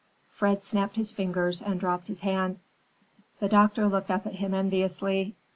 Fred snapped his fingers and dropped his hand. The doctor looked up at him enviously.